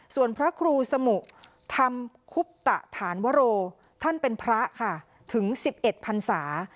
ส่วนพระครูสมุธรรมคุปตะฐานวโรท่านเป็นพระค่ะถึง๑๑พันศา